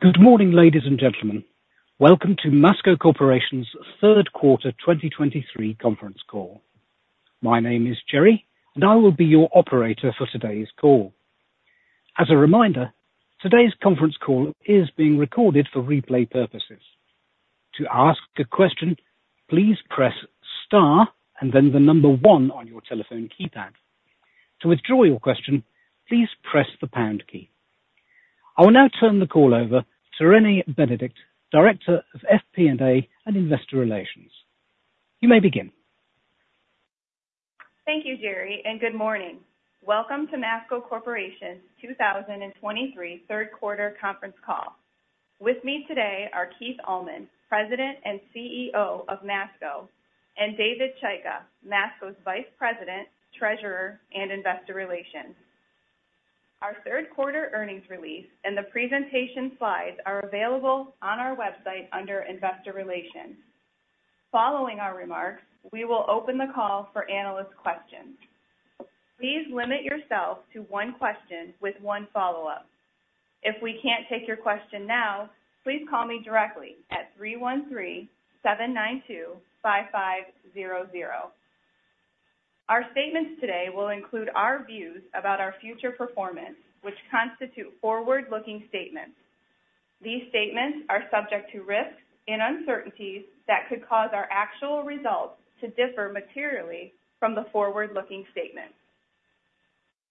Good morning, ladies and gentlemen. Welcome to Masco Corporation's Q3 2023 Conference Call. My name is Jerry, and I will be your operator for today's call. As a reminder, today's Conference Call is being recorded for replay purposes. To ask a question, please press star and then the number one on your telephone keypad. To withdraw your question, please press the pound key. I will now turn the call over to Renee Benedict, Director of FP&A and Investor Relations. You may begin. Thank you, Jerry, and good morning. Welcome to Masco Corporation's 2023 Q3 Conference Call. With me today are Keith Allman, President and CEO of Masco, and David Chaika, Masco's Vice President, Treasurer, and Investor Relations. Our Q3 earnings release and the presentation slides are available on our website under Investor Relations. Following our remarks, we will open the call for analyst questions. Please limit yourself to one question with one follow-up. If we can't take your question now, please call me directly at 313-792-5500. Our statements today will include our views about our future performance, which constitute forward-looking statements. These statements are subject to risks and uncertainties that could cause our actual results to differ materially from the forward-looking statements.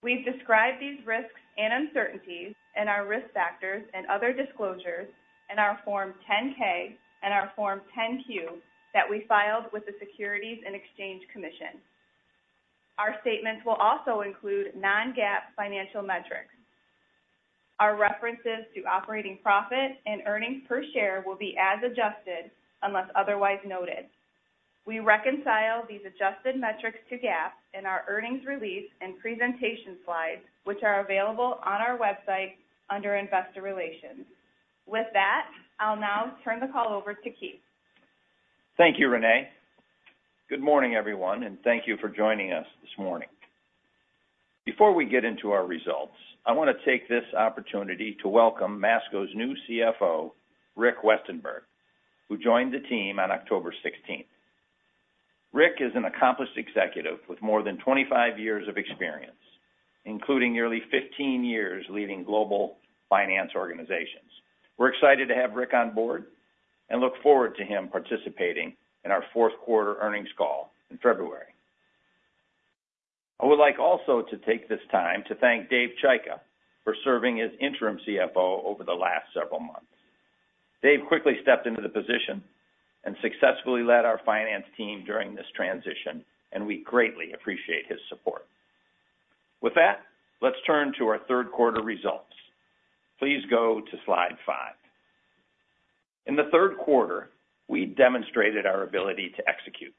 We've described these risks and uncertainties in our risk factors and other disclosures in our Form 10-K and our Form 10-Q that we filed with the Securities and Exchange Commission. Our statements will also include non-GAAP financial metrics. Our references to operating profit and earnings per share will be as adjusted unless otherwise noted. We reconcile these adjusted metrics to GAAP in our earnings release and presentation slides, which are available on our website under Investor Relations. With that, I'll now turn the call over to Keith. Thank you, Renee. Good morning, everyone, and thank you for joining us this morning. Before we get into our results, I want to take this opportunity to welcome Masco's new CFO, Rick Westenberg, who joined the team on October sixteenth. Rick is an accomplished executive with more than 25 years of experience, including nearly 15 years leading global finance organizations. We're excited to have Rick on board and look forward to him participating in our Q4 earnings call in February. I would like also to take this time to thank Dave Chaika for serving as interim CFO over the last several months. Dave quickly stepped into the position and successfully led our finance team during this transition, and we greatly appreciate his support. With that, let's turn to our Q3 results. Please go to slide five. In Q3, we demonstrated our ability to execute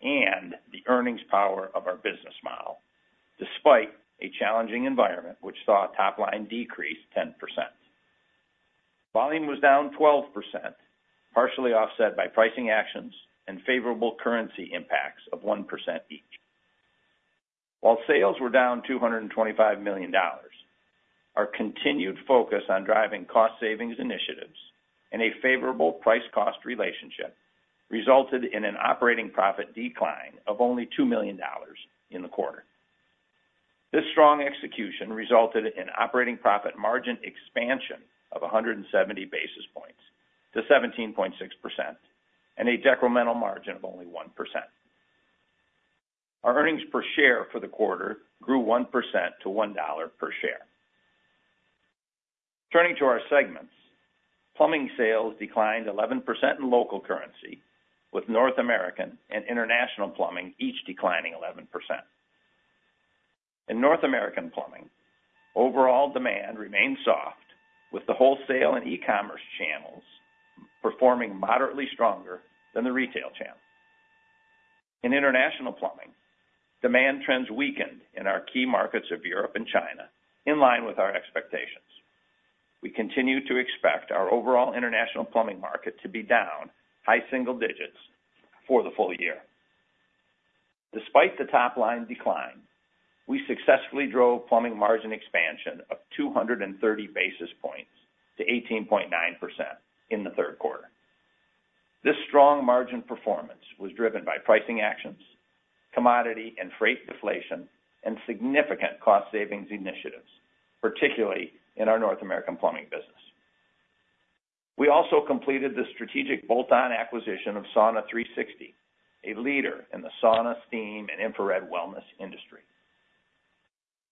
and the earnings power of our business model, despite a challenging environment which saw a top-line decrease of 10%. Volume was down 12%, partially offset by pricing actions and favorable currency impacts of 1% each. While sales were down $225 million, our continued focus on driving cost savings initiatives and a favorable price-cost relationship resulted in an operating profit decline of only $2 million in the quarter. This strong execution resulted in operating profit margin expansion of 170 basis points to 17.6% and a decremental margin of only 1%. Our earnings per share for the quarter grew 1% to $1 per share. Turning to our segments, plumbing sales declined 11% in local currency, with North American and international plumbing each declining 11%. In North American plumbing, overall demand remained soft, with the wholesale and e-commerce channels performing moderately stronger than the retail channel. In international plumbing, demand trends weakened in our key markets of Europe and China, in line with our expectations. We continue to expect our overall international plumbing market to be down high single digits for the full year. Despite the top-line decline, we successfully drove plumbing margin expansion of 230 basis points to 18.9% in Q3. This strong margin performance was driven by pricing actions, commodity and freight deflation, and significant cost savings initiatives, particularly in our North American plumbing business. We also completed the strategic bolt-on acquisition of Sauna360, a leader in the sauna, steam, and infrared wellness industry.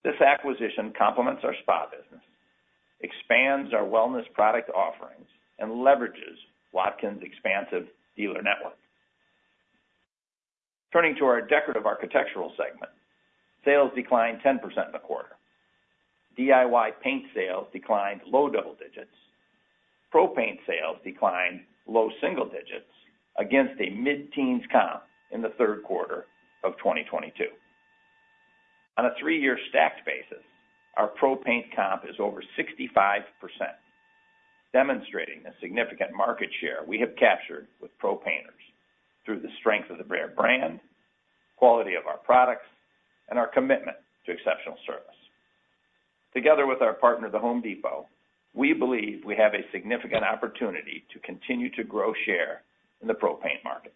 This acquisition complements our spa business, expands our wellness product offerings, and leverages Watkins' expansive dealer network. Turning to our decorative architectural segment, sales declined 10% in the quarter. DIY paint sales declined low double digits. Pro paint sales declined low single digits against a mid-teens comp in Q3 of 2022. On a 3-year stacked basis, our Pro paint comp is over 65%... demonstrating the significant market share we have captured with Pro Painters through the strength of the Behr brand, quality of our products, and our commitment to exceptional service. Together with our partner, The Home Depot, we believe we have a significant opportunity to continue to grow share in the Pro Paint market.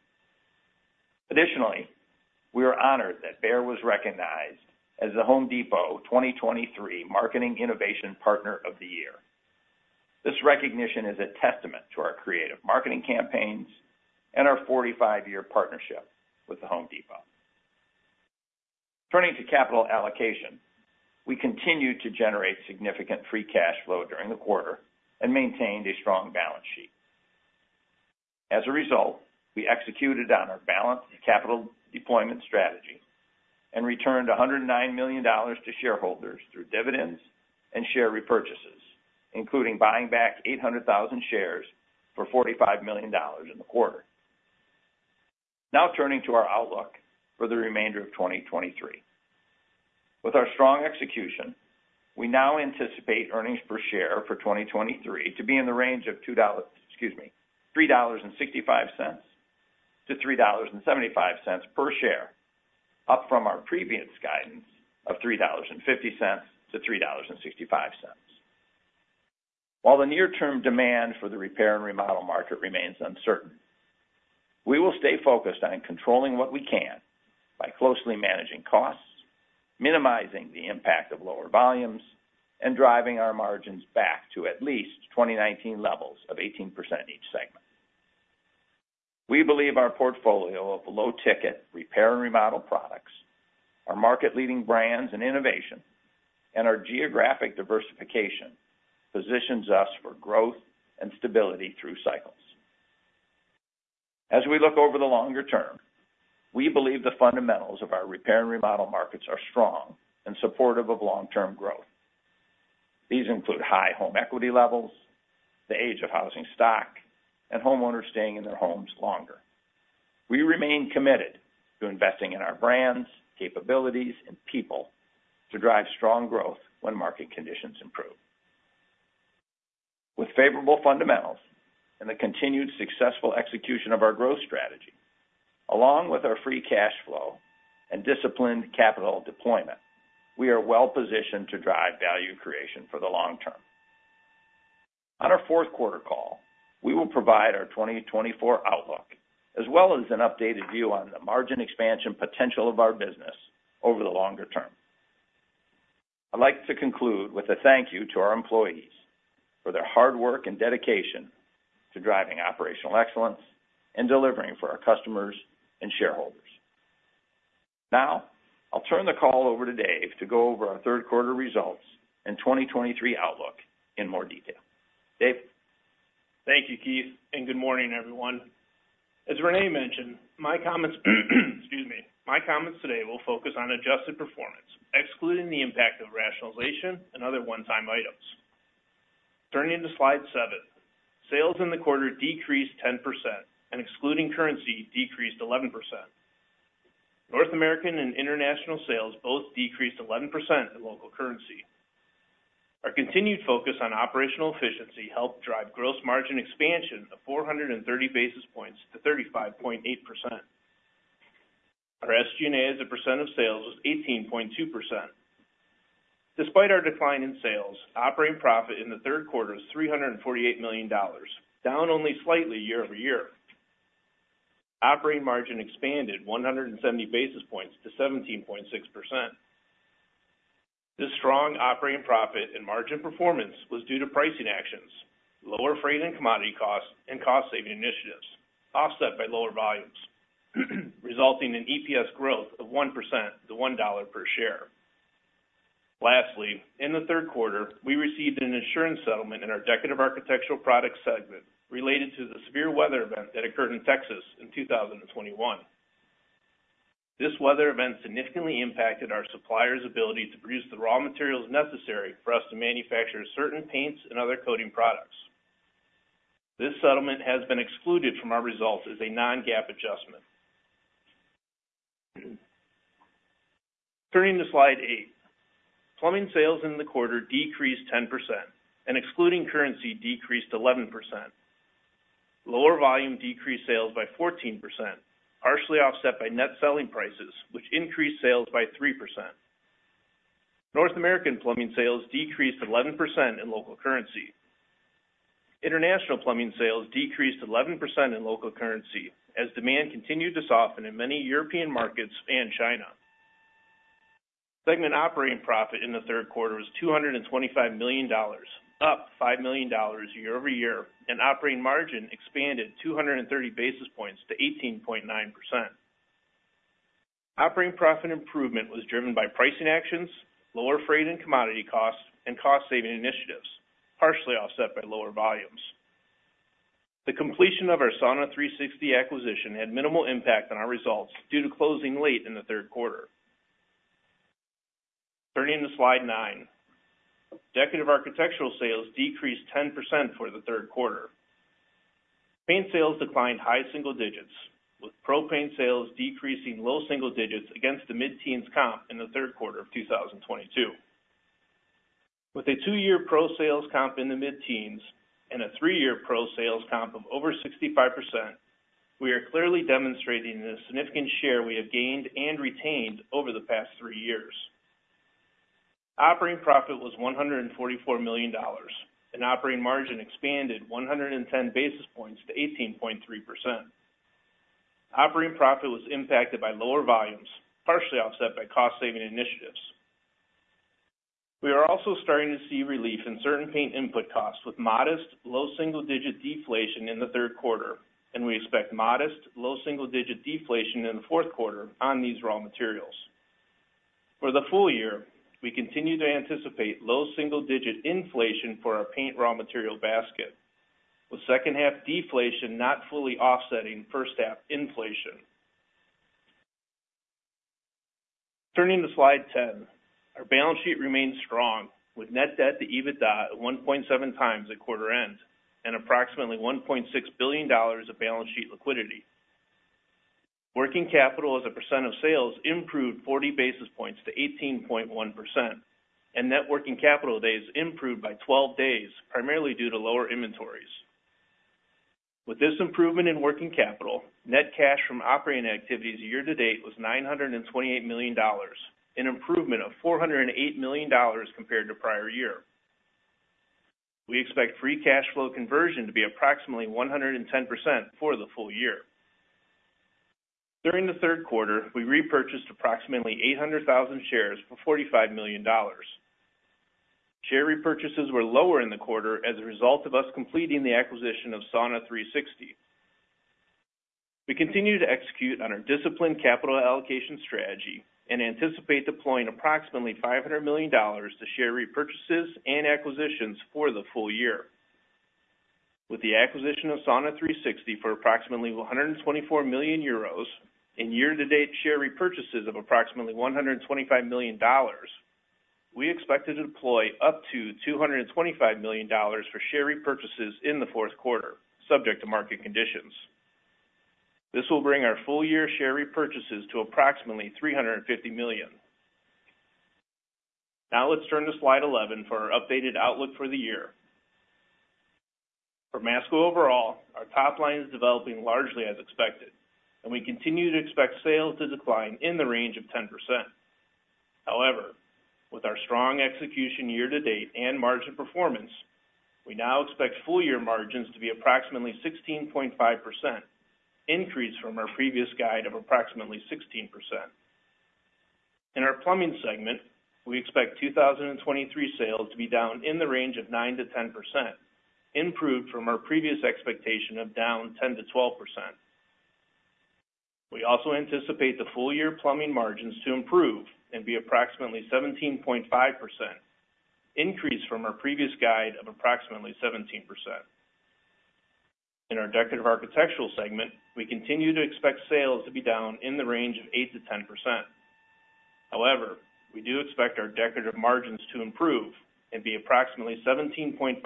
Additionally, we are honored that Behr was recognized as The Home Depot 2023 Marketing Innovation Partner of the Year. This recognition is a testament to our creative marketing campaigns and our 45-year partnership with The Home Depot. Turning to capital allocation, we continued to generate significant free cash flow during the quarter and maintained a strong balance sheet. As a result, we executed on our balanced capital deployment strategy and returned $109 million to shareholders through dividends and share repurchases, including buying back 800,000 shares for $45 million in the quarter. Now turning to our outlook for the remainder of 2023. With our strong execution, we now anticipate earnings per share for 2023 to be in the range of two dollars - excuse me, $3.65-$3.75 per share, up from our previous guidance of $3.50-$3.65. While the near-term demand for the repair and remodel market remains uncertain, we will stay focused on controlling what we can by closely managing costs, minimizing the impact of lower volumes, and driving our margins back to at least 2019 levels of 18% in each segment. We believe our portfolio of low-ticket repair and remodel products, our market-leading brands and innovation, and our geographic diversification positions us for growth and stability through cycles. As we look over the longer term, we believe the fundamentals of our repair and remodel markets are strong and supportive of long-term growth. These include high home equity levels, the age of housing stock, and homeowners staying in their homes longer. We remain committed to investing in our brands, capabilities, and people to drive strong growth when market conditions improve. With favorable fundamentals and the continued successful execution of our growth strategy, along with our free cash flow and disciplined capital deployment, we are well positioned to drive value creation for the long term. On our Q4 call, we will provide our 2024 outlook, as well as an updated view on the margin expansion potential of our business over the longer term. I'd like to conclude with a thank you to our employees for their hard work and dedication to driving operational excellence and delivering for our customers and shareholders. Now, I'll turn the call over to Dave to go over our Q3 results and 2023 outlook in more detail. Dave? Thank you, Keith, and good morning, everyone. As Renee mentioned, my comments, excuse me. My comments today will focus on adjusted performance, excluding the impact of rationalization and other one-time items. Turning to slide seven. Sales in the quarter decreased 10%, and excluding currency, decreased 11%. North American and international sales both decreased 11% in local currency. Our continued focus on operational efficiency helped drive gross margin expansion of 430 basis points to 35.8%. Our SG&A as a percent of sales was 18.2%. Despite our decline in sales, operating profit in Q3 was $348 million, down only slightly year-over-year. Operating margin expanded 170 basis points to 17.6%. This strong operating profit and margin performance was due to pricing actions, lower freight and commodity costs, and cost-saving initiatives, offset by lower volumes, resulting in EPS growth of 1% to $1 per share. Lastly, in Q3, we received an insurance settlement in our Decorative Architectural Products segment related to the severe weather event that occurred in Texas in 2021. This weather event significantly impacted our supplier's ability to produce the raw materials necessary for us to manufacture certain paints and other coating products. This settlement has been excluded from our results as a non-GAAP adjustment. Turning to slide eight. Plumbing sales in the quarter decreased 10%, and excluding currency, decreased 11%. Lower volume decreased sales by 14%, partially offset by net selling prices, which increased sales by 3%. North American plumbing sales decreased 11% in local currency. International plumbing sales decreased 11% in local currency as demand continued to soften in many European markets and China. Segment operating profit in Q3 was $225 million, up $5 million year-over-year, and operating margin expanded 230 basis points to 18.9%. Operating profit improvement was driven by pricing actions, lower freight and commodity costs, and cost-saving initiatives, partially offset by lower volumes. The completion of our Sauna360 acquisition had minimal impact on our results due to closing late in Q3. Turning to slide nine. Decorative architectural sales decreased 10% for Q3. Paint sales declined high single digits, with Pro paint sales decreasing low single digits against the mid-teens comp in Q3 of 2022. With a two-year Pro sales comp in the mid-teens and a three year Pro sales comp of over 65%, we are clearly demonstrating the significant share we have gained and retained over the past three years. Operating profit was $144 million, and operating margin expanded 110 basis points to 18.3%. Operating profit was impacted by lower volumes, partially offset by cost-saving initiatives. We are also starting to see relief in certain paint input costs, with modest low single-digit deflation in Q3, and we expect modest low single-digit deflation in Q4 on these raw materials. For the full year, we continue to anticipate low single-digit inflation for our paint raw material basket, with second half deflation not fully offsetting first half inflation. Turning to slide 10, our balance sheet remains strong, with net debt to EBITDA at 1.7 times at quarter end and approximately $1.6 billion of balance sheet liquidity. Working capital as a percent of sales improved 40 basis points to 18.1%, and net working capital days improved by 12 days, primarily due to lower inventories. With this improvement in working capital, net cash from operating activities year to date was $928 million, an improvement of $408 million compared to prior year. We expect free cash flow conversion to be approximately 110% for the full year. During Q3, we repurchased approximately 800,000 shares for $45 million. Share repurchases were lower in the quarter as a result of us completing the acquisition of Sauna360. We continue to execute on our disciplined capital allocation strategy and anticipate deploying approximately $500 million to share repurchases and acquisitions for the full year. With the acquisition of Sauna360 for approximately 124 million euros and year-to-date share repurchases of approximately $125 million, we expect to deploy up to $225 million for share repurchases in Q4, subject to market conditions. This will bring our full-year share repurchases to approximately $350 million. Now, let's turn to slide 11 for our updated outlook for the year. For Masco overall, our top line is developing largely as expected, and we continue to expect sales to decline in the range of 10%. However, with our strong execution year to date and margin performance, we now expect full year margins to be approximately 16.5%, increase from our previous guide of approximately 16%. In our plumbing segment, we expect 2023 sales to be down in the range of 9%-10%, improved from our previous expectation of down 10%-12%. We also anticipate the full-year plumbing margins to improve and be approximately 17.5%, increase from our previous guide of approximately 17%. In our decorative architectural segment, we continue to expect sales to be down in the range of 8%-10%. However, we do expect our decorative margins to improve and be approximately 17.5%,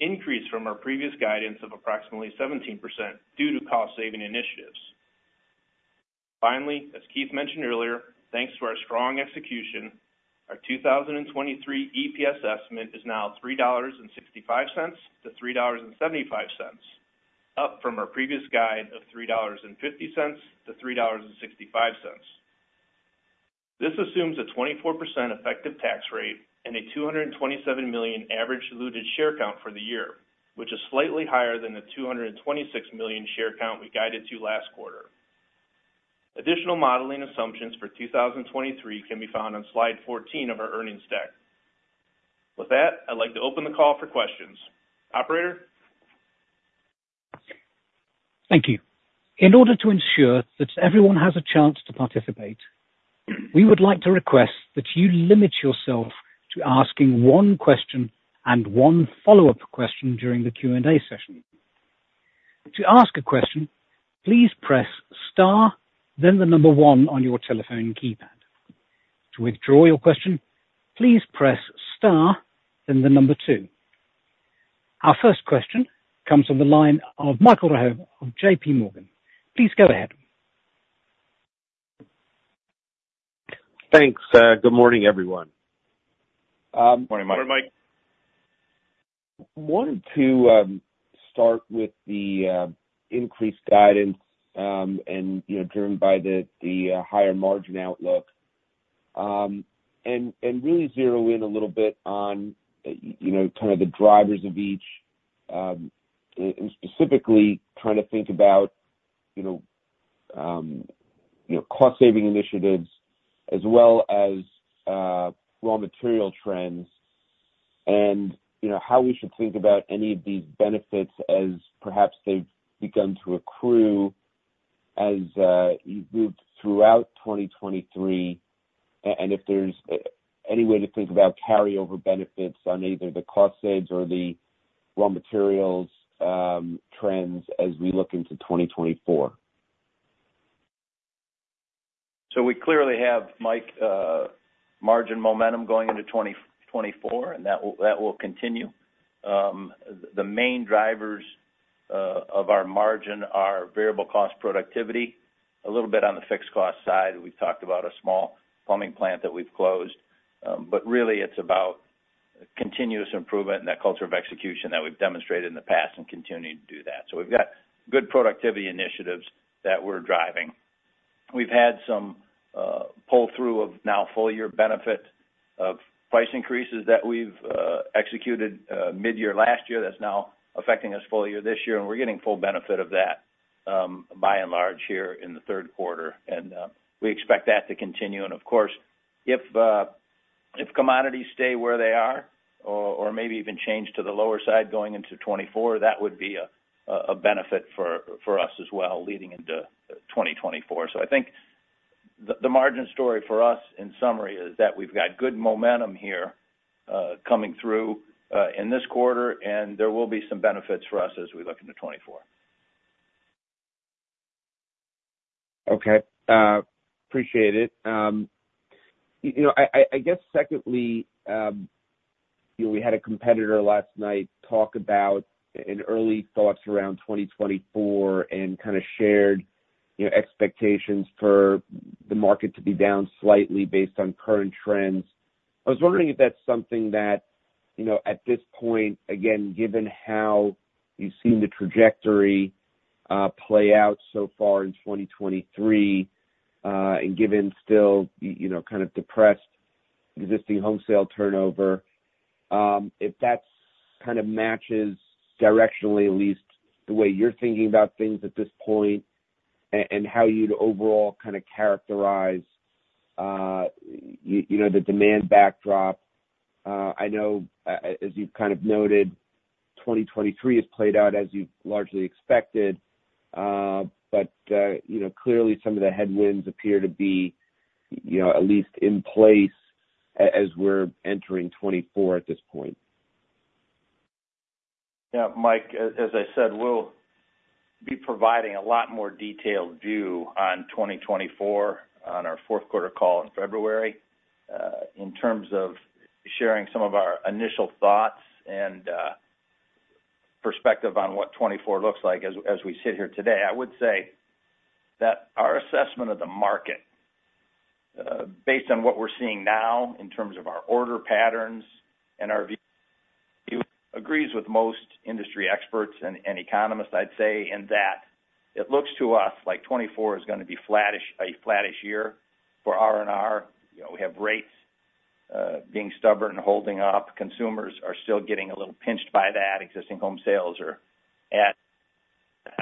increase from our previous guidance of approximately 17% due to cost-saving initiatives. Finally, as Keith mentioned earlier, thanks to our strong execution, our 2023 EPS estimate is now $3.65-$3.75, up from our previous guide of $3.50-$3.65. This assumes a 24% effective tax rate and a 227 million average diluted share count for the year, which is slightly higher than the 226 million share count we guided to last quarter. Additional modeling assumptions for 2023 can be found on slide 14 of our earnings deck. With that, I'd like to open the call for questions. Operator? Thank you. In order to ensure that everyone has a chance to participate, we would like to request that you limit yourself to asking one question and one follow-up question during the Q&A session. To ask a question, please press star, then the number one on your telephone keypad. To withdraw your question, please press star, then the number two. Our first question comes from the line of Michael Rehaut of JP Morgan. Please go ahead. Thanks. Good morning, everyone. Good morning, Mike. Good morning, Mike. Wanted to start with the increased guidance, and, you know, driven by the higher margin outlook. And really zero in a little bit on, you know, kind of the drivers of each, and specifically trying to think about, you know, you know, cost-saving initiatives as well as raw material trends and, you know, how we should think about any of these benefits as perhaps they've begun to accrue as you move throughout 2023. And if there's any way to think about carryover benefits on either the cost saves or the raw materials trends as we look into 2024?... So we clearly have, Mike, margin momentum going into 2024, and that will, that will continue. The main drivers of our margin are variable cost productivity, a little bit on the fixed cost side. We've talked about a small plumbing plant that we've closed. But really it's about continuous improvement in that culture of execution that we've demonstrated in the past and continuing to do that. So we've got good productivity initiatives that we're driving. We've had some pull-through of now full year benefit of price increases that we've executed mid-year last year, that's now affecting us full year this year, and we're getting full benefit of that, by and large here in Q3. And we expect that to continue. Of course, if commodities stay where they are or maybe even change to the lower side going into 2024, that would be a benefit for us as well, leading into 2024. So I think the margin story for us, in summary, is that we've got good momentum here coming through in this quarter, and there will be some benefits for us as we look into 2024. Okay. Appreciate it. You know, I guess secondly, you know, we had a competitor last night talk about in early thoughts around 2024 and kind of shared, you know, expectations for the market to be down slightly based on current trends. I was wondering if that's something that, you know, at this point, again, given how you've seen the trajectory play out so far in 2023, and given still, you know, kind of depressed existing home sale turnover, if that's kind of matches directionally, at least, the way you're thinking about things at this point and how you'd overall kind of characterize, you know, the demand backdrop. I know, as you've kind of noted, 2023 has played out as you largely expected. But, you know, clearly some of the headwinds appear to be, you know, at least in place as we're entering 2024 at this point. Yeah, Mike, as I said, we'll be providing a lot more detailed view on 2024 on our Q4 call in February. In terms of sharing some of our initial thoughts and perspective on what '2024 looks like as we sit here today, I would say that our assessment of the market based on what we're seeing now in terms of our order patterns and our view agrees with most industry experts and economists, I'd say, in that it looks to us like '2024 is gonna be flattish, a flattish year for R&R. You know, we have rates being stubborn and holding up. Consumers are still getting a little pinched by that. Existing home sales are at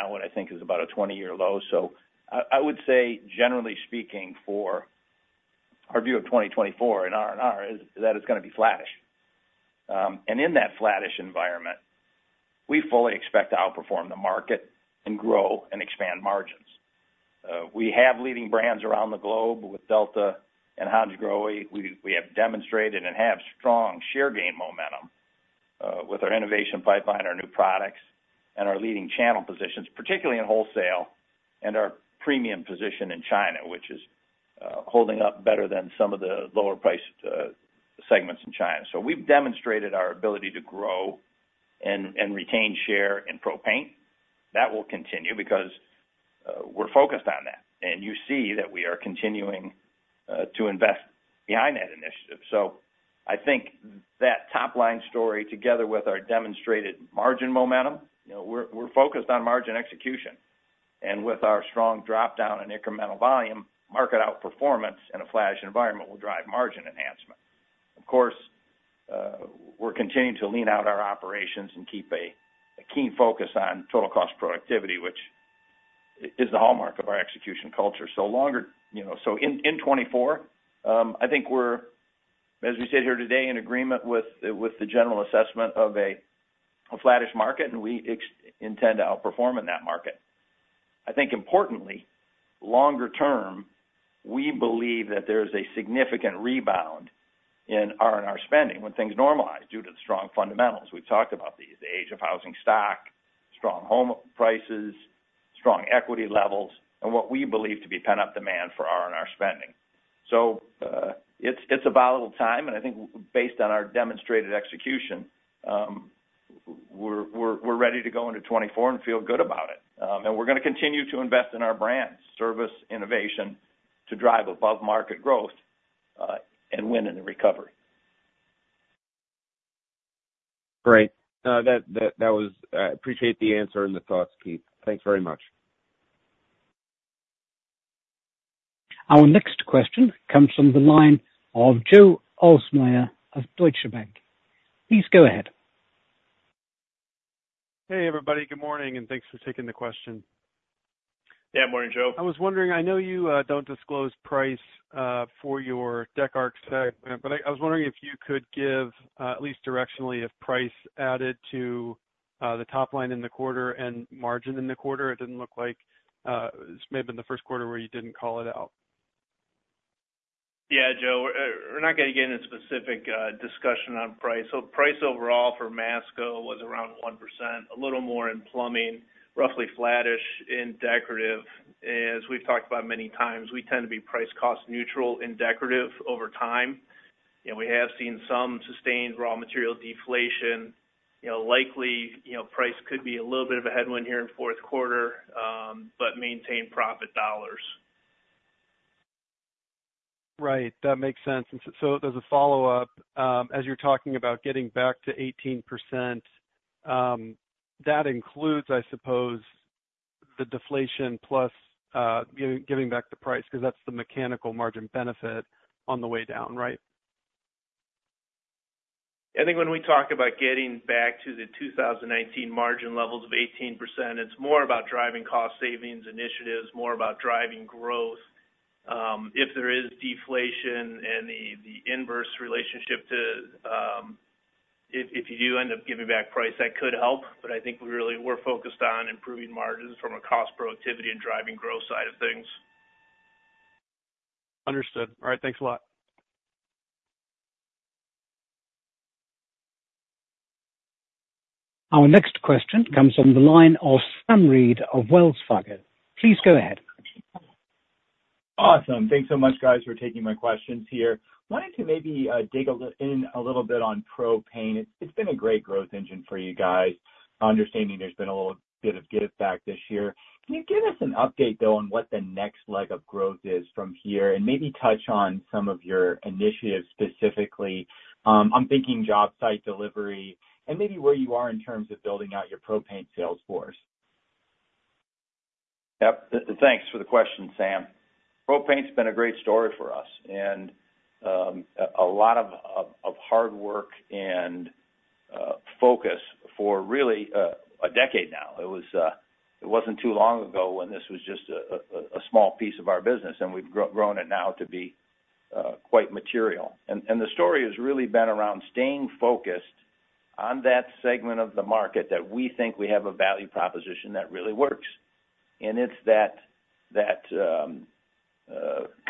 what I think is about a 20-year low. So I would say, generally speaking, for our view of 2024 in R&R is that it's gonna be flattish. And in that flattish environment, we fully expect to outperform the market and grow and expand margins. We have leading brands around the globe with Delta and Hansgrohe. We have demonstrated and have strong share gain momentum, with our innovation pipeline, our new products, and our leading channel positions, particularly in wholesale and our premium position in China, which is holding up better than some of the lower priced segments in China. So we've demonstrated our ability to grow and retain share in Pro paint. That will continue because we're focused on that, and you see that we are continuing to invest behind that initiative. So I think that top line story, together with our demonstrated margin momentum, you know, we're focused on margin execution. And with our strong drop down in incremental volume, market outperformance in a flattish environment will drive margin enhancement. Of course, we're continuing to lean out our operations and keep a keen focus on total cost productivity, which is the hallmark of our execution culture. So in 2024, I think we're, as we sit here today, in agreement with the general assessment of a flattish market, and we intend to outperform in that market. I think importantly, longer term, we believe that there's a significant rebound in R&R spending when things normalize due to the strong fundamentals. We've talked about these, the age of housing stock, strong home prices, strong equity levels, and what we believe to be pent-up demand for R&R spending. So, it's a volatile time, and I think based on our demonstrated execution, we're ready to go into 2024 and feel good about it. And we're gonna continue to invest in our brands, service, innovation, to drive above market growth, and win in the recovery. Great. Appreciate the answer and the thoughts, Keith. Thanks very much. Our next question comes from the line of Joe Ahlersmeyer of Deutsche Bank. Please go ahead. Hey, everybody. Good morning, and thanks for taking the question. Yeah, morning, Joe. I was wondering, I know you don't disclose price for your decor arch segment, but I was wondering if you could give at least directionally, if price added to the top line in the quarter and margin in the quarter. It didn't look like this may have been Q1 where you didn't call it out. Yeah, Joe, we're not gonna get into specific discussion on price. So price overall for Masco was around 1%, a little more in plumbing, roughly flattish in decorative. As we've talked about many times, we tend to be price-cost neutral in decorative over time, and we have seen some sustained raw material deflation. You know, likely, you know, price could be a little bit of a headwind here in Q4, but maintain profit dollars. Right. That makes sense. And so as a follow-up, as you're talking about getting back to 18%, that includes, I suppose, the deflation plus, giving back the price, because that's the mechanical margin benefit on the way down, right? I think when we talk about getting back to the 2019 margin levels of 18%, it's more about driving cost savings initiatives, more about driving growth. If there is deflation and the inverse relationship to, if you do end up giving back price, that could help, but I think we really, we're focused on improving margins from a cost productivity and driving growth side of things. Understood. All right. Thanks a lot. Our next question comes from the line of Sam Reid of Wells Fargo. Please go ahead. Awesome. Thanks so much, guys, for taking my questions here. Wanted to maybe dig in a little bit on Pro paint. It's been a great growth engine for you guys. Understanding there's been a little bit of give back this year. Can you give us an update, though, on what the next leg of growth is from here, and maybe touch on some of your initiatives, specifically, I'm thinking job site delivery and maybe where you are in terms of building out your Pro paint sales force? Yep. Thanks for the question, Sam. Pro paint's been a great story for us and a lot of hard work and focus for really a decade now. It was it wasn't too long ago when this was just a small piece of our business, and we've grown it now to be quite material. And the story has really been around staying focused on that segment of the market that we think we have a value proposition that really works. And it's that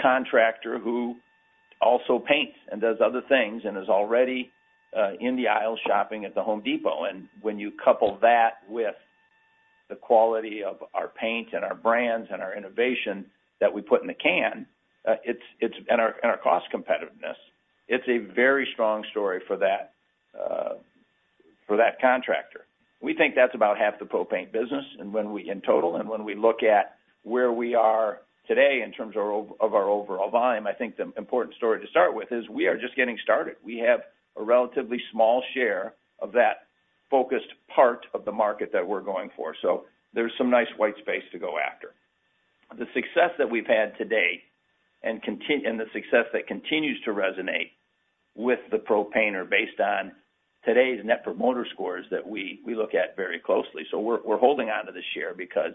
contractor who also paints and does other things and is already in the aisle shopping at The Home Depot. And when you couple that with the quality of our paint and our brands and our innovation that we put in the can, it's and our cost competitiveness, it's a very strong story for that contractor. We think that's about half the Pro paint business, and in total, when we look at where we are today in terms of our of our overall volume, I think the important story to start with is we are just getting started. We have a relatively small share of that focused part of the market that we're going for, so there's some nice white space to go after. The success that we've had today, and the success that continues to resonate with the Pro painter based on today's net promoter scores that we look at very closely. So we're, we're holding onto the share because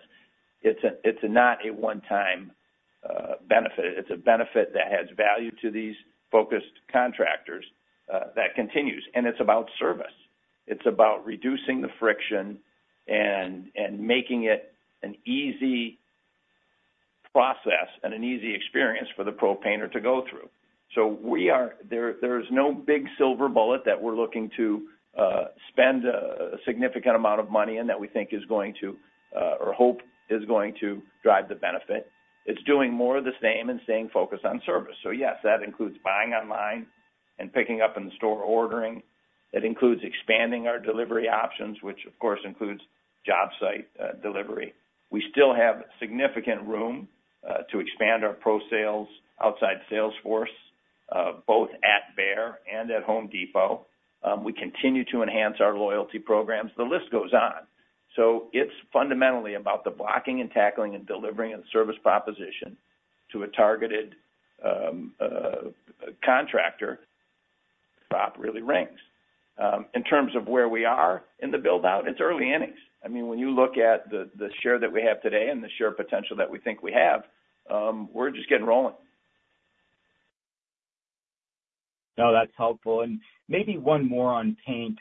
it's a, it's not a one-time benefit. It's a benefit that has value to these focused contractors that continues, and it's about service. It's about reducing the friction and, and making it an easy process and an easy experience for the Pro painter to go through. So we are. There, there's no big silver bullet that we're looking to spend a, a significant amount of money and that we think is going to, or hope is going to drive the benefit. It's doing more of the same and staying focused on service. So yes, that includes buying online and picking up in the store, ordering. It includes expanding our delivery options, which of course, includes job site delivery. We still have significant room to expand our Pro sales, outside sales force, both at Behr and at Home Depot. We continue to enhance our loyalty programs. The list goes on. So it's fundamentally about the blocking and tackling and delivering a service proposition to a targeted contractor prop really rings. In terms of where we are in the build-out, it's early innings. I mean, when you look at the share that we have today and the share potential that we think we have, we're just getting rolling. No, that's helpful. And maybe one more on paint.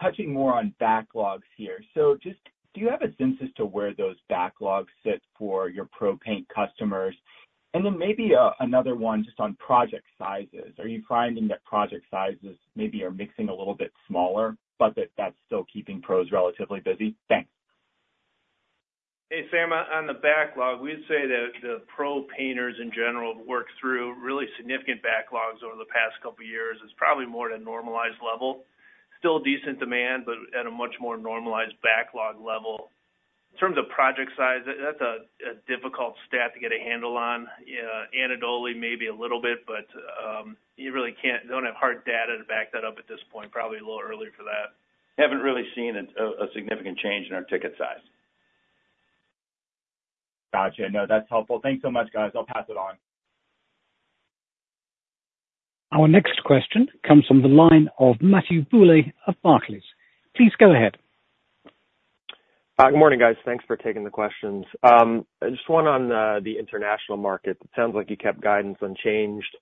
Touching more on backlogs here. So just, do you have a sense as to where those backlogs sit for your Pro paint customers? And then maybe, another one just on project sizes. Are you finding that project sizes maybe are mixing a little bit smaller, but that's still keeping Pros relatively busy? Thanks. Hey, Sam, on the backlog, we'd say that the Pro painters in general have worked through really significant backlogs over the past couple of years. It's probably more at a normalized level. Still decent demand, but at a much more normalized backlog level. In terms of project size, that's a difficult stat to get a handle on. Anecdotally, maybe a little bit, but you really can't, don't have hard data to back that up at this point. Probably a little early for that. Haven't really seen a significant change in our ticket size. Gotcha. No, that's helpful. Thanks so much, guys. I'll pass it on. Our next question comes from the line of Matthew Bouley of Barclays. Please go ahead. Good morning, guys. Thanks for taking the questions. Just one on the international market. It sounds like you kept guidance unchanged.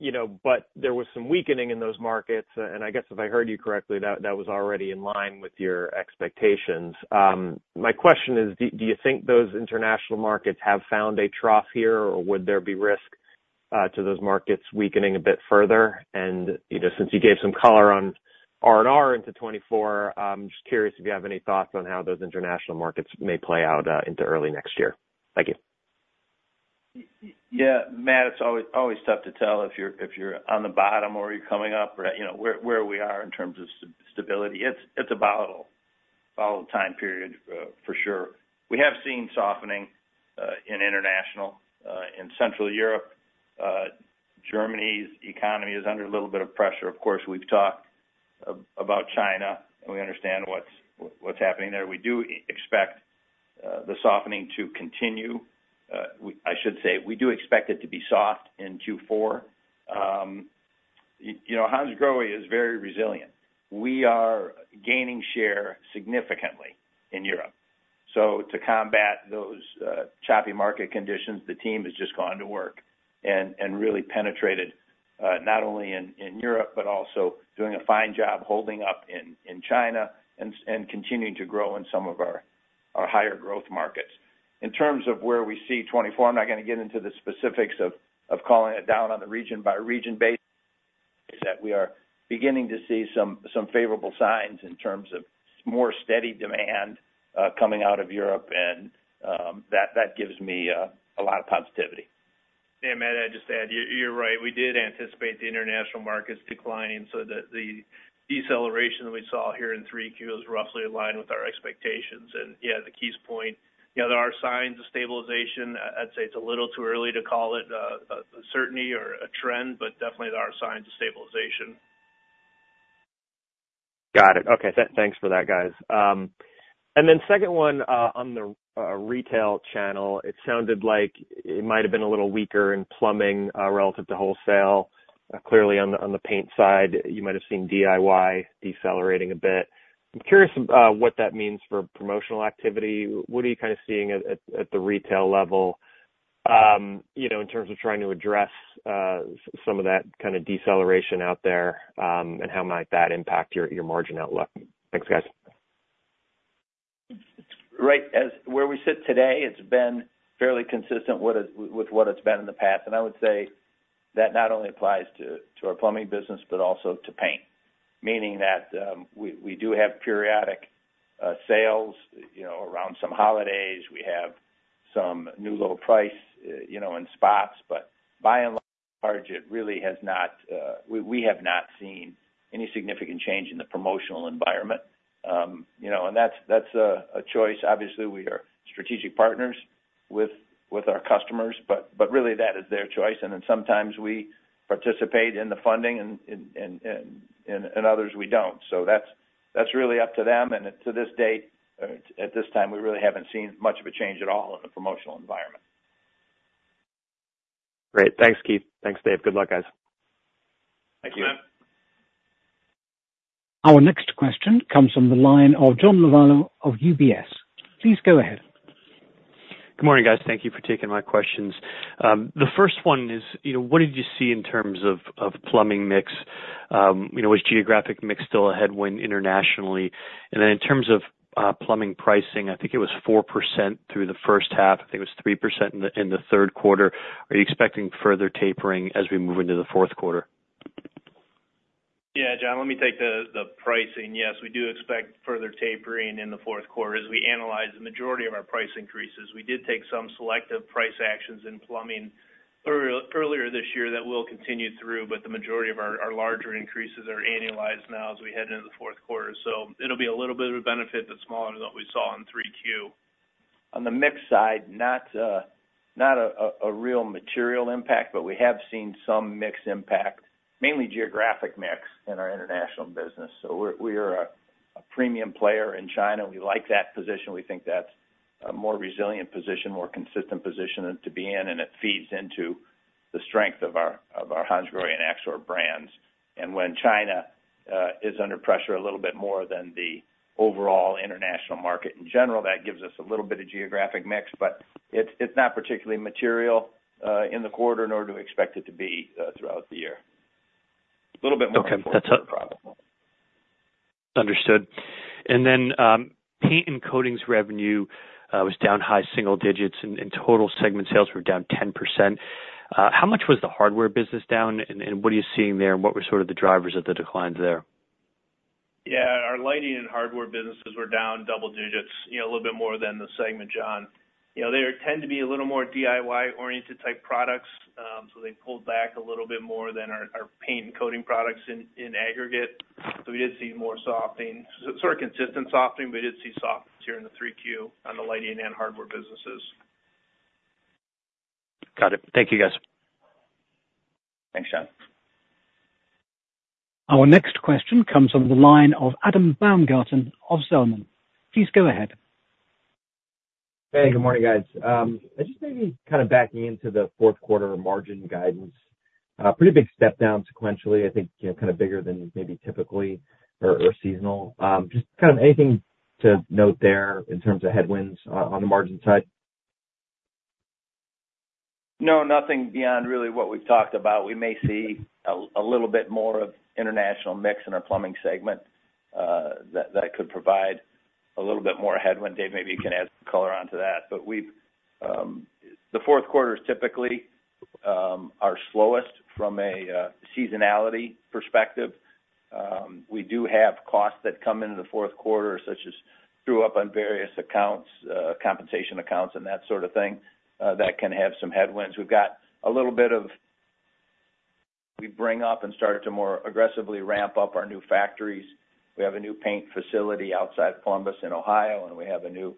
You know, but there was some weakening in those markets, and I guess if I heard you correctly, that was already in line with your expectations. My question is, do you think those international markets have found a trough here, or would there be risk to those markets weakening a bit further? And, you know, since you gave some color on R&R into 2024, I'm just curious if you have any thoughts on how those international markets may play out into early next year. Thank you. Yeah, Matt, it's always, always tough to tell if you're, if you're on the bottom or you're coming up, or, you know, where, where we are in terms of stability. It's, it's a volatile, volatile time period, for sure. We have seen softening, in international, in Central Europe. Germany's economy is under a little bit of pressure. Of course, we've talked about China, and we understand what's, what's happening there. We do expect, the softening to continue. I should say, we do expect it to be soft in Q4. You know, Hansgrohe is very resilient. We are gaining share significantly in Europe. So to combat those choppy market conditions, the team has just gone to work and really penetrated not only in Europe, but also doing a fine job holding up in China and continuing to grow in some of our higher growth markets. In terms of where we see 2024, I'm not gonna get into the specifics of calling it down on the region-by-region basis, is that we are beginning to see some favorable signs in terms of more steady demand coming out of Europe, and that gives me a lot of positivity. Matt, I'd just add, you're right. We did anticipate the international markets declining, so the deceleration that we saw here in Q3 was roughly in line with our expectations. And yeah, to Keith's point, you know, there are signs of stabilization. I'd say it's a little too early to call it a certainty or a trend, but definitely there are signs of stabilization. Got it. Okay. Thanks for that, guys. And then second one, on the retail channel. It sounded like it might have been a little weaker in plumbing, relative to wholesale. Clearly on the paint side, you might have seen DIY decelerating a bit. I'm curious about what that means for promotional activity. What are you kind of seeing at the retail level, you know, in terms of trying to address some of that kind of deceleration out there, and how might that impact your margin outlook? Thanks, guys. Right. As we sit today, it's been fairly consistent with what it's been in the past. And I would say that not only applies to our plumbing business, but also to paint. Meaning that, we do have periodic sales, you know, around some holidays. We have some new low price, you know, in spots, but by and large, it really has not, we have not seen any significant change in the promotional environment. You know, and that's a choice. Obviously, we are strategic partners with our customers, but really that is their choice. And then sometimes we participate in the funding and others we don't. So that's, that's really up to them, and to this date, at this time, we really haven't seen much of a change at all in the promotional environment. Great. Thanks, Keith. Thanks, Dave. Good luck, guys. Thank you. Thanks, Matt. Our next question comes from the line of John Lovallo of UBS. Please go ahead. Good morning, guys. Thank you for taking my questions. The first one is, you know, what did you see in terms of, of plumbing mix? You know, was geographic mix still a headwind internationally? And then in terms of, plumbing pricing, I think it was 4% through the first half. I think it was 3% in the, in Q3. Are you expecting further tapering as we move into Q4? Yeah, John, let me take the pricing. Yes, we do expect further tapering in Q4 as we annualize the majority of our price increases. We did take some selective price actions in plumbing earlier this year that will continue through, but the majority of our larger increases are annualized now as we head into Q4. So it'll be a little bit of a benefit, but smaller than what we saw in Q3. On the mix side, not a real material impact, but we have seen some mix impact, mainly geographic mix in our international business. So we're, we are a premium player in China. We like that position. We think that's a more resilient position, more consistent position to be in, and it feeds into the strength of our, of our Hansgrohe and Axor brands. And when China is under pressure a little bit more than the overall international market in general, that gives us a little bit of geographic mix, but it's not particularly material in the quarter, nor do we expect it to be throughout the year. A little bit more- Okay. Probably. Understood. And then, paint and coatings revenue was down high single digits, and total segment sales were down 10%. How much was the hardware business down, and what are you seeing there, and what were sort of the drivers of the declines there? Yeah. Our lighting and hardware businesses were down double digits, you know, a little bit more than the segment, John. You know, they tend to be a little more DIY-oriented type products, so they pulled back a little bit more than our paint and coating products in aggregate. So we did see more softening, sort of consistent softening, but we did see softness here in Q3 on the lighting and hardware businesses. Got it. Thank you, guys. Thanks, John. Our next question comes from the line of Adam Baumgarten of Zelman. Please go ahead. Hey, good morning, guys. I just maybe kind of backing into Q4 margin guidance. Pretty big step down sequentially, I think, you know, kind of bigger than maybe typically or seasonal. Just kind of anything to note there in terms of headwinds on the margin side? No, nothing beyond really what we've talked about. We may see a little bit more of international mix in our plumbing segment, that could provide a little bit more headwind. Dave, maybe you can add some color onto that. But we've Q4 is typically our slowest from a seasonality perspective. We do have costs that come into Q4, such as true-up on various accounts, compensation accounts, and that sort of thing, that can have some headwinds. We've got a little bit of—we bring up and started to more aggressively ramp up our new factories. We have a new paint facility outside Columbus, Ohio, and we have a new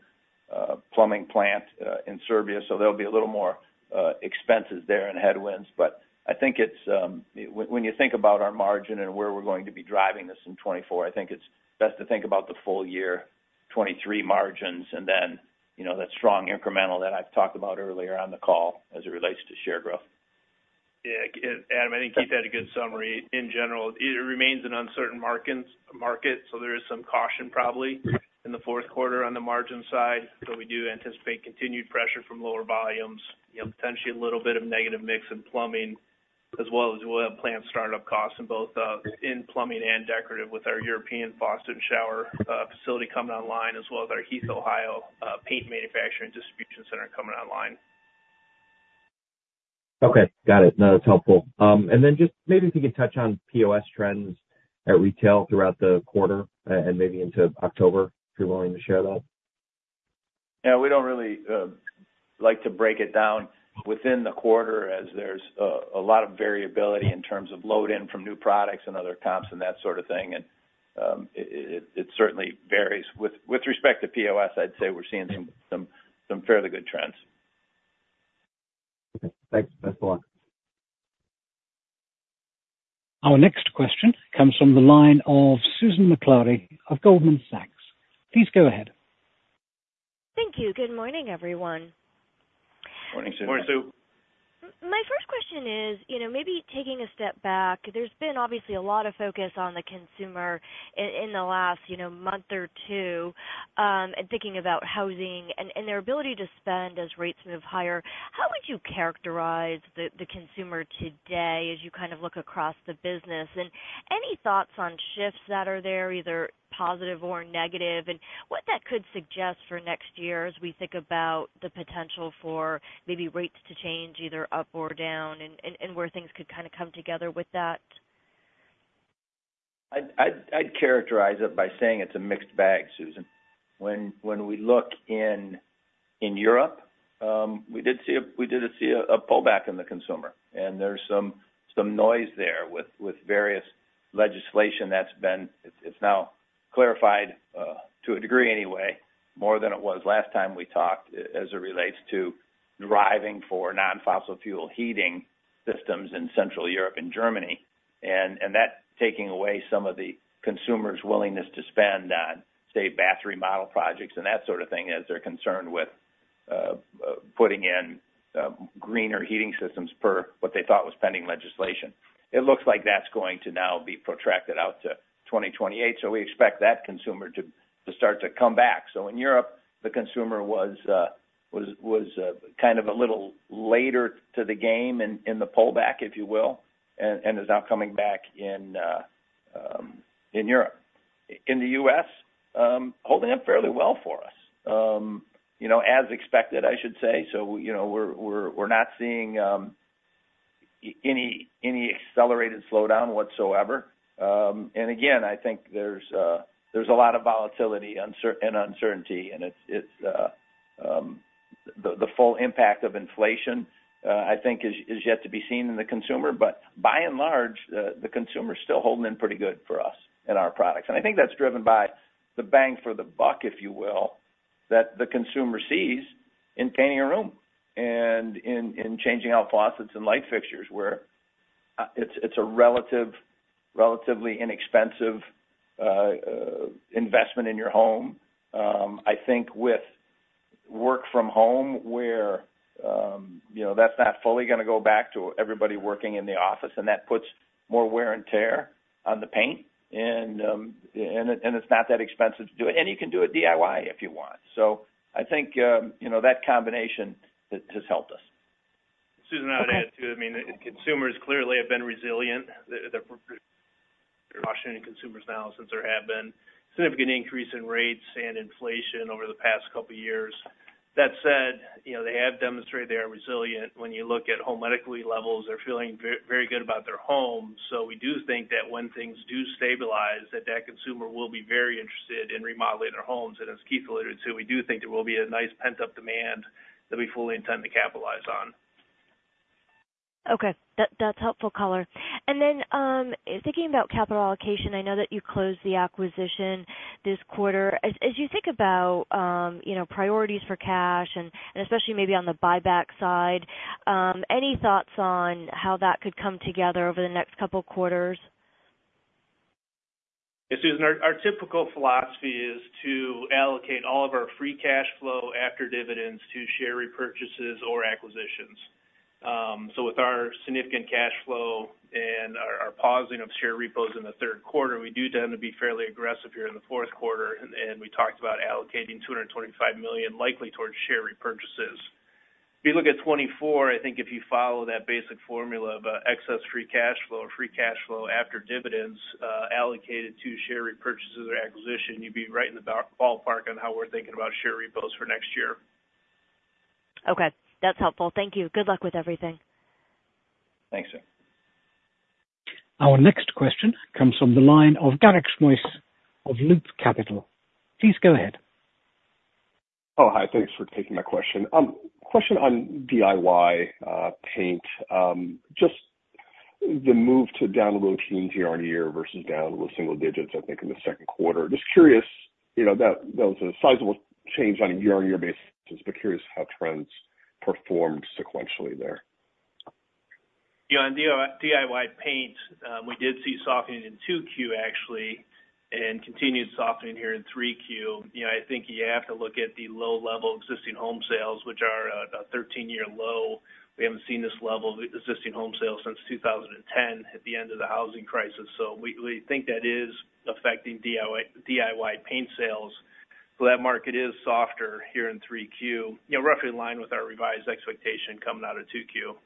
plumbing plant in Serbia, so there'll be a little more expenses there and headwinds. I think it's when you think about our margin and where we're going to be driving this in 2024. I think it's best to think about the full year 2023 margins, and then, you know, that strong incremental that I've talked about earlier on the call as it relates to share growth. Yeah, Adam, I think Keith had a good summary. In general, it remains an uncertain market, so there is some caution probably in Q4 on the margin side. So we do anticipate continued pressure from lower volumes, you know, potentially a little bit of negative mix in plumbing, as well as we'll have plant startup costs in both, in plumbing and decorative with our European faucet and shower facility coming online, as well as our Heath, Ohio, paint manufacturing distribution center coming online. Okay. Got it. No, that's helpful. And then just maybe if you could touch on POS trends at retail throughout the quarter and, and maybe into October, if you're willing to share that. Yeah. We don't really like to break it down within the quarter as there's a lot of variability in terms of load-in from new products and other comps and that sort of thing. It certainly varies. With respect to POS, I'd say we're seeing some fairly good trends. Okay. Thanks. That's all. Our next question comes from the line of Susan Maklari of Goldman Sachs. Please go ahead. Thank you. Good morning, everyone. Morning, Sue. Morning, Sue. My first question is, you know, maybe taking a step back, there's been obviously a lot of focus on the consumer in the last, you know, month or two, and thinking about housing and their ability to spend as rates move higher. How would you characterize the consumer today as you kind of look across the business? And any thoughts on shifts that are there, either positive or negative, and what that could suggest for next year as we think about the potential for maybe rates to change either up or down and where things could kind of come together with that? I'd characterize it by saying it's a mixed bag, Susan. When we look in Europe, we did see a pullback in the consumer, and there's some noise there with various legislation that's been... It's now clarified to a degree anyway, more than it was last time we talked, as it relates to driving for non-fossil fuel heating systems in Central Europe and Germany. And that's taking away some of the consumer's willingness to spend on, say, bath remodel projects and that sort of thing, as they're concerned with putting in greener heating systems per what they thought was pending legislation. It looks like that's going to now be protracted out to 2028, so we expect that consumer to start to come back. So in Europe, the consumer was kind of a little later to the game in the pullback, if you will, and is now coming back in Europe. In the U.S., holding up fairly well for us, you know, as expected, I should say. So, you know, we're not seeing any accelerated slowdown whatsoever. And again, I think there's a lot of volatility and uncertainty, and it's the full impact of inflation, I think is yet to be seen in the consumer. But by and large, the consumer is still holding in pretty good for us and our products. I think that's driven by the bang for the buck, if you will, that the consumer sees in painting a room and in changing out faucets and light fixtures, where it's a relatively inexpensive investment in your home. I think with work from home, where you know, that's not fully gonna go back to everybody working in the office, and that puts more wear and tear on the paint, and it's not that expensive to do it. You can do it DIY if you want. I think you know, that combination has helped us. Susan, I'd add, too, I mean, consumers clearly have been resilient. They're cautioning consumers now, since there have been significant increase in rates and inflation over the past couple of years. That said, you know, they have demonstrated they are resilient. When you look at home equity levels, they're feeling very good about their homes. So we do think that when things do stabilize, that that consumer will be very interested in remodeling their homes. And as Keith alluded to, we do think there will be a nice pent-up demand that we fully intend to capitalize on. Okay. That's helpful color. And then, thinking about capital allocation, I know that you closed the acquisition this quarter. As you think about, you know, priorities for cash and, and especially maybe on the buy-back side, any thoughts on how that could come together over the next couple of quarters? Yeah, Susan, our typical philosophy is to allocate all of our free cash flow after dividends to share repurchases or acquisitions. So with our significant cash flow and our, our pausing of share repos in Q3, we do tend to be fairly aggressive here in Q4, and, and we talked about allocating $225 million likely towards share repurchases. If you look at 2024, I think if you follow that basic formula of, excess free cash flow or free cash flow after dividends, allocated to share repurchases or acquisition, you'd be right in the ballpark on how we're thinking about share repos for next year. Okay, that's helpful. Thank you. Good luck with everything. Thanks, sir. Our next question comes from the line of Garik Shmois of Loop Capital. Please go ahead. Oh, hi. Thanks for taking my question. Question on DIY, paint. Just the move to down low teens year-on-year versus down to the single digits, I think, in Q2. Just curious, you know, that, that was a sizable change on a year-on-year basis, but curious how trends performed sequentially there. Yeah, on DIY paint, we did see softening in Q2, actually, and continued softening here in Q3. You know, I think you have to look at the low level of existing home sales, which are at a 13-year low. We haven't seen this level of existing home sales since 2010 at the end of the housing crisis. So we think that is affecting DIY paint sales. So that market is softer here in Q3, you know, roughly in line with our revised expectation coming out of Q2.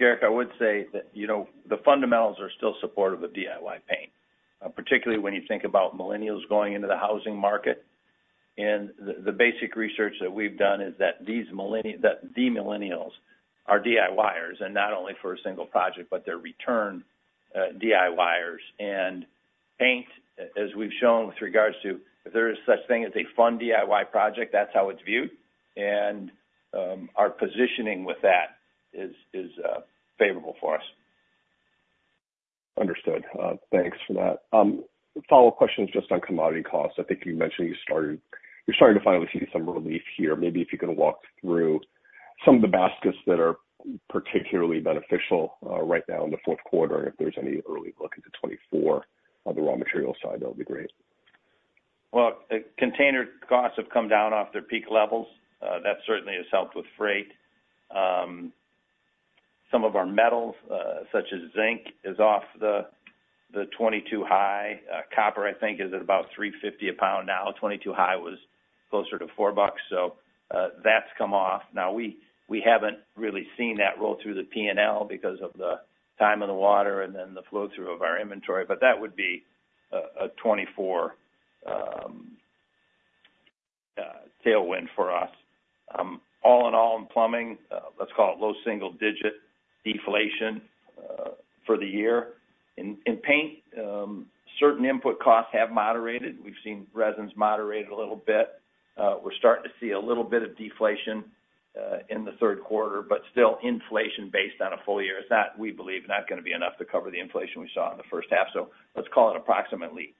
Garik, I would say that, you know, the fundamentals are still supportive of DIY paint, particularly when you think about Millennials going into the housing market. The basic research that we've done is that these Millennials—that the Millennials are DIYers, and not only for a single project, but they're return DIYers. Paint, as we've shown with regards to, if there is such thing as a fun DIY project, that's how it's viewed. Our positioning with that is favorable for us. Understood. Thanks for that. A follow-up question just on commodity costs. I think you mentioned you're starting to finally see some relief here. Maybe if you could walk through some of the baskets that are particularly beneficial, right now in Q4, and if there's any early look into 2024 on the raw material side, that would be great. Well, container costs have come down off their peak levels. That certainly has helped with freight. Some of our metals, such as zinc, is off the 2022 high. Copper, I think, is at about $3.50 a pound now. 2022 high was closer to $4, so that's come off. Now, we haven't really seen that roll through the P&L because of the time in the water and then the flow-through of our inventory, but that would be a 2024 tailwind for us. All in all, in plumbing, let's call it low single digit deflation for the year. In paint, certain input costs have moderated. We've seen resins moderate a little bit. We're starting to see a little bit of deflation in Q3, but still inflation based on a full year. It's not, we believe, not gonna be enough to cover the inflation we saw in the first half. So let's call it approximately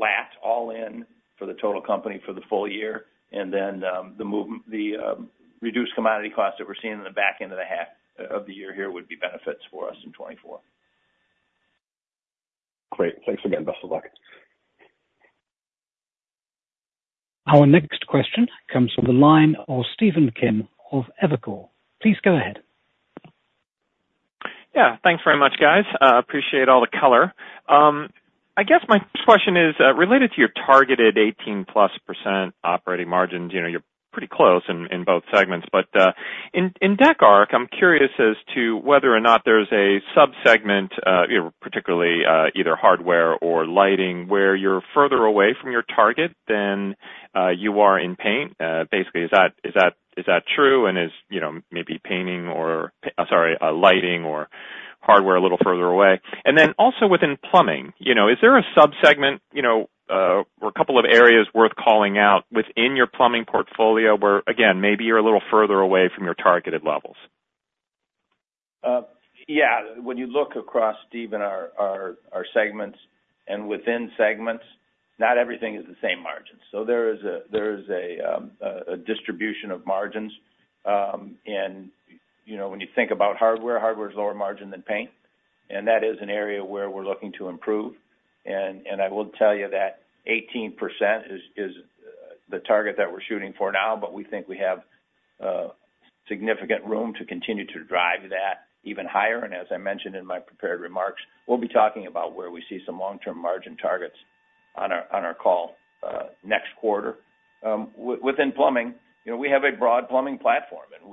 flat, all in for the total company for the full year. And then, the reduced commodity costs that we're seeing in the back end of the half of the year here would be benefits for us in 2024. Great. Thanks again. Best of luck. Our next question comes from the line of Stephen Kim of Evercore. Please go ahead. Yeah. Thanks very much, guys. Appreciate all the color. I guess my first question is related to your targeted 18%+ operating margins. You know, you're pretty close in both segments, but in decor, I'm curious as to whether or not there's a sub-segment, you know, particularly, either hardware or lighting, where you're further away from your target than you are in paint. Basically, is that true, and is, you know, maybe painting or, sorry, lighting or hardware a little further away? And then also within plumbing, you know, is there a sub-segment, you know, or a couple of areas worth calling out within your plumbing portfolio, where, again, maybe you're a little further away from your targeted levels? Yeah. When you look across, Steve, in our segments and within segments, not everything is the same margin. So there is a distribution of margins. And, you know, when you think about hardware, hardware is lower margin than paint, and that is an area where we're looking to improve. And I will tell you that 18% is the target that we're shooting for now, but we think we have significant room to continue to drive that even higher. And as I mentioned in my prepared remarks, we'll be talking about where we see some long-term margin targets on our call next quarter. Within plumbing, you know, we have a broad plumbing platform, and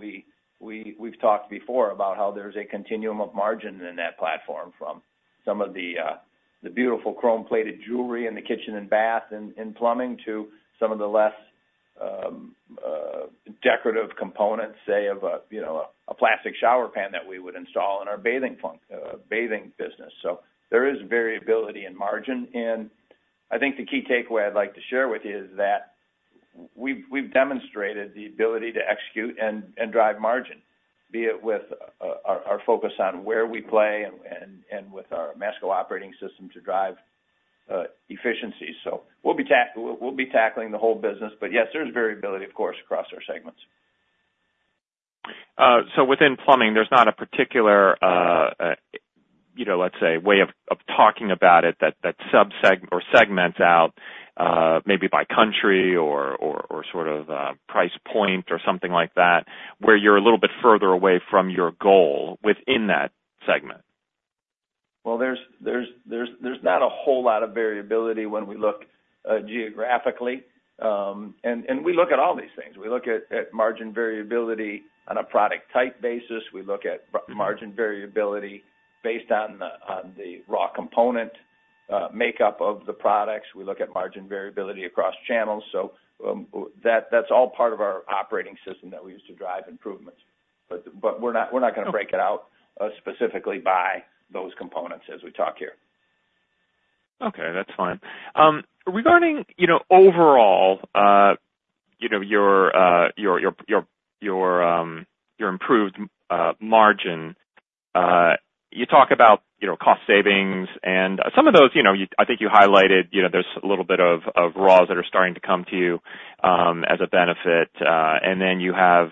we've talked before about how there's a continuum of margin in that platform, from some of the beautiful chrome-plated jewelry in the kitchen and bath and plumbing to some of the less decorative components, say, of a, you know, a plastic shower pan that we would install in our bathing function, bathing business. So there is variability in margin. And I think the key takeaway I'd like to share with you is that we've demonstrated the ability to execute and drive margin, be it with our focus on where we play and with our Masco Operating System to drive efficiency. So we'll be tackling the whole business, but yes, there's variability, of course, across our segments. So within plumbing, there's not a particular, you know, let's say, way of talking about it that segments out, maybe by country or sort of price point or something like that, where you're a little bit further away from your goal within that segment? Well, there's not a whole lot of variability when we look geographically. And we look at all these things. We look at margin variability on a product type basis. We look at margin variability based on the raw component makeup of the products. We look at margin variability across channels. So, that's all part of our operating system that we use to drive improvements. But we're not gonna break it out specifically by those components as we talk here. Okay, that's fine. Regarding, you know, overall, you know, your improved margin, you talk about, you know, cost savings and some of those, you know, I think you highlighted, you know, there's a little bit of raws that are starting to come to you as a benefit, and then you have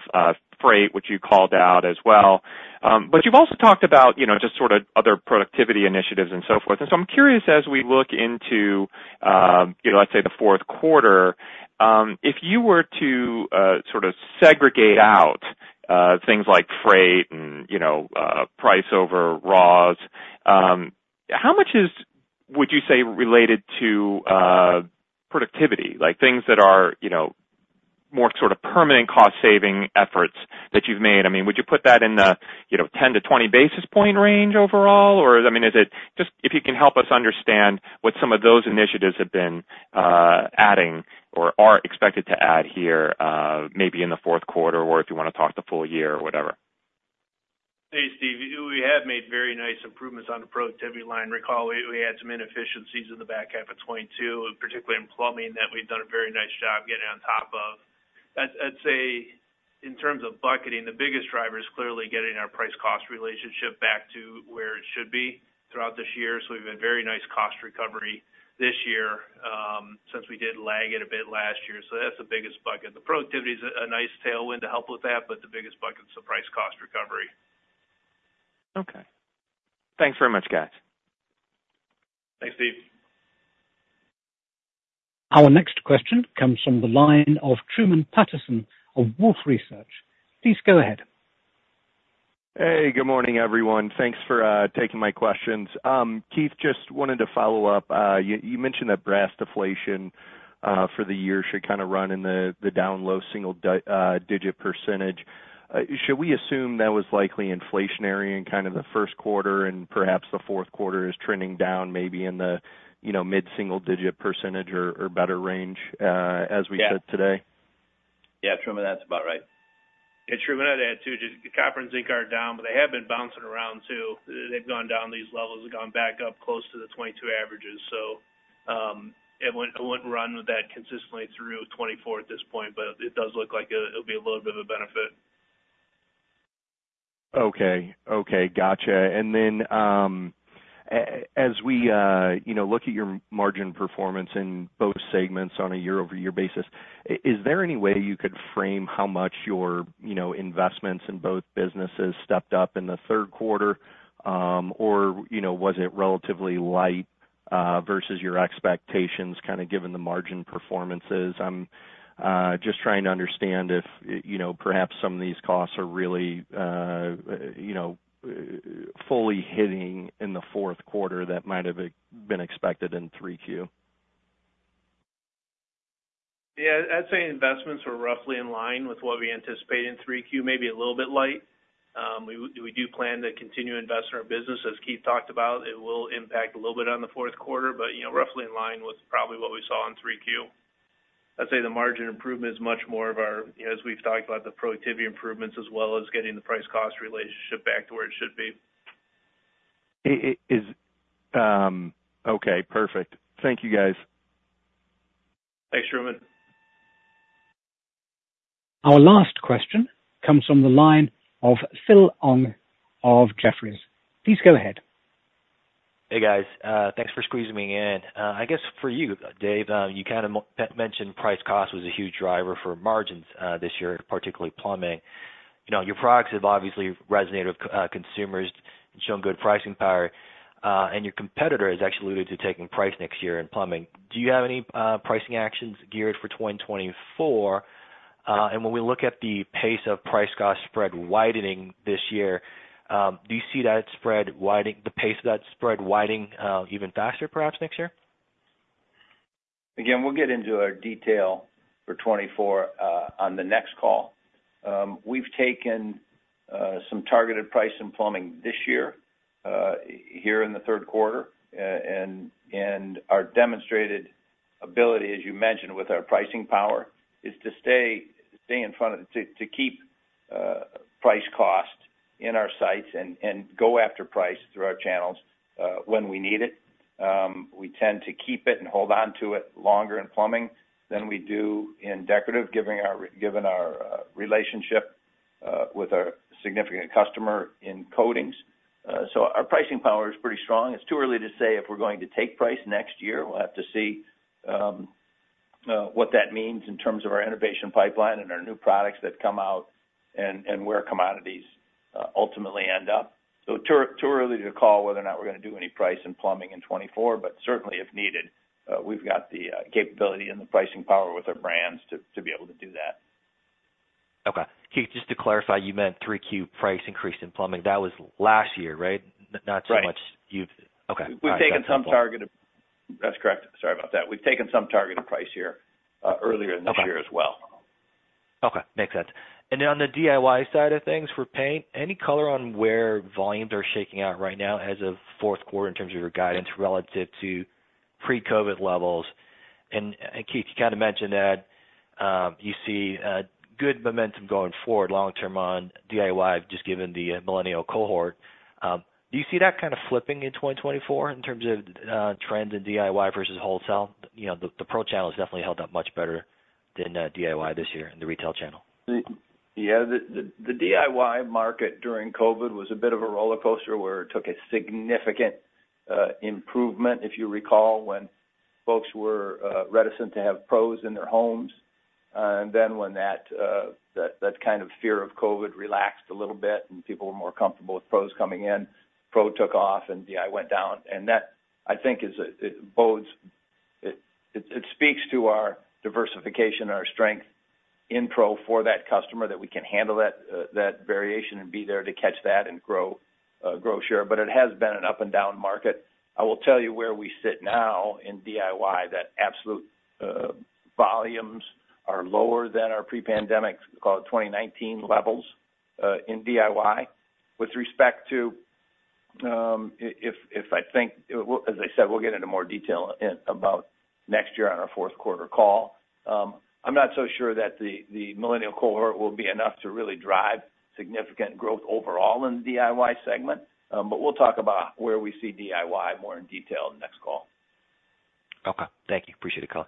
freight, which you called out as well. But you've also talked about, you know, just sort of other productivity initiatives and so forth. And so I'm curious, as we look into, you know, let's say Q4, if you were to sort of segregate out things like freight and, you know, price over raws, how much is, would you say, related to productivity? Like, things that are, you know, more sort of permanent cost saving efforts that you've made. I mean, would you put that in the, you know, 10-20 basis point range overall? Or, I mean, is it? Just if you can help us understand what some of those initiatives have been, adding or are expected to add here, maybe in Q4, or if you wanna talk the full year or whatever. Hey, Steve, we have made very nice improvements on the productivity line. Recall, we had some inefficiencies in the back half of 2022, and particularly in plumbing, that we've done a very nice job getting on top of. I'd say, in terms of bucketing, the biggest driver is clearly getting our price-cost relationship back to where it should be throughout this year. So we've had very nice cost recovery this year, since we did lag it a bit last year, so that's the biggest bucket. The productivity is a nice tailwind to help with that, but the biggest bucket is the price-cost recovery. Okay. Thanks very much, guys. Thanks, Steve. Our next question comes from the line of Truman Patterson of Wolfe Research. Please go ahead. Hey, good morning, everyone. Thanks for taking my questions. Keith, just wanted to follow up. You mentioned that brass deflation for the year should kind of run in the down low single-digit %. Should we assume that was likely inflationary in kind of Q1 and perhaps Q4 is trending down, maybe in the, you know, mid-single-digit % or better range as we said today? Yeah. Yeah, Truman, that's about right. Yeah, Truman, I'd add, too, just copper and zinc are down, but they have been bouncing around, too. They've gone down these levels, have gone back up close to the 2022 averages. So, I wouldn't, I wouldn't run with that consistently through 2024 at this point, but it does look like it, it'll be a little bit of a benefit. Okay, okay, gotcha. And then, as we, you know, look at your margin performance in both segments on a year-over-year basis, is there any way you could frame how much your, you know, investments in both businesses stepped up in Q3? Or, you know, was it relatively light, versus your expectations, kind of given the margin performances? I'm just trying to understand if, you know, perhaps some of these costs are really, you know, fully hitting in Q4 that might have been expected in Q3. Yeah, I'd say investments were roughly in line with what we anticipated in Q3, maybe a little bit light. We do plan to continue to invest in our business, as Keith talked about. It will impact a little bit on Q4, but, you know, roughly in line with probably what we saw in Q3. I'd say the margin improvement is much more of our, as we've talked about, the productivity improvements, as well as getting the price-cost relationship back to where it should be. Okay, perfect. Thank you, guys. Thanks, Truman. Our last question comes from the line of Philip Ng of Jefferies. Please go ahead. Hey, guys. Thanks for squeezing me in. I guess for you, Dave, you kind of mentioned price-cost was a huge driver for margins this year, particularly plumbing. You know, your products have obviously resonated with consumers and shown good pricing power, and your competitor has actually alluded to taking price next year in plumbing. Do you have any pricing actions geared for 2024? And when we look at the pace of price-cost spread widening this year, do you see that spread widening, the pace of that spread widening, even faster perhaps next year? Again, we'll get into our detail for 2024 on the next call. We've taken some targeted price in plumbing this year here in Q3, and our demonstrated ability, as you mentioned, with our pricing power, is to stay in front of to keep price-cost in our sights and go after price through our channels when we need it. We tend to keep it and hold onto it longer in plumbing than we do in decorative, given our relationship with our significant customer in coatings. So our pricing power is pretty strong. It's too early to say if we're going to take price next year. We'll have to see. What that means in terms of our innovation pipeline and our new products that come out and where commodities ultimately end up. So too early to call whether or not we're gonna do any price in plumbing in 2024, but certainly, if needed, we've got the capability and the pricing power with our brands to be able to do that. Okay. Keith, just to clarify, you meant Q3 price increase in plumbing. That was last year, right? Right. Not so much. Okay. We've taken some targeted. That's correct. Sorry about that. We've taken some targeted price here, earlier. Okay this year as well. Okay. Makes sense. And then on the DIY side of things, for paint, any color on where volumes are shaking out right now as of Q4 in terms of your guidance relative to pre-COVID levels? And, and Keith, you kind of mentioned that, you see, good momentum going forward long term on DIY, just given the, Millennial cohort. Do you see that kind of flipping in 2024 in terms of, trends in DIY versus wholesale? You know, the, the Pro channel has definitely held up much better than, DIY this year in the retail channel. Yeah. The DIY market during COVID was a bit of a rollercoaster, where it took a significant improvement, if you recall, when folks were reticent to have Pros in their homes. And then when that kind of fear of COVID relaxed a little bit and people were more comfortable with Pros coming in, Pro took off and DIY went down. And that, I think, is it bodes it, it speaks to our diversification, our strength in Pro for that customer, that we can handle that variation and be there to catch that and grow share. But it has been an up-and-down market. I will tell you where we sit now in DIY, that absolute volumes are lower than our pre-pandemic, call it 2019 levels, in DIY. With respect to, as I said, we'll get into more detail in about next year on our Q4 call. I'm not so sure that the Millennial cohort will be enough to really drive significant growth overall in the DIY segment. But we'll talk about where we see DIY more in detail next call. Okay. Thank you. Appreciate the call.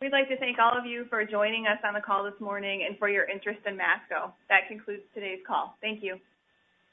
We'd like to thank all of you for joining us on the call this morning, and for your interest in Masco. That concludes today's call. Thank you.